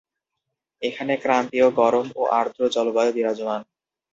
এখানে ক্রান্তীয় গরম ও আর্দ্র জলবায়ু বিরাজমান।